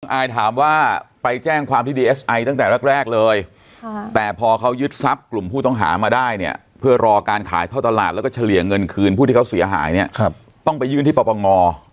อายถามว่าไปแจ้งความที่ดีเอสไอตั้งแต่แรกเลยแต่พอเขายึดทรัพย์กลุ่มผู้ต้องหามาได้เนี่ยเพื่อรอการขายท่อตลาดแล้วก็เฉลี่ยเงินคืนผู้ที่เขาเสียหายเนี่ยต้องไปยื่นที่ปปง